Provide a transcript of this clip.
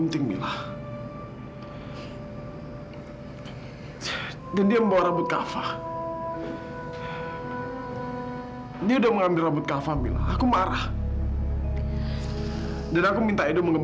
tidurlah kafa anakku sayang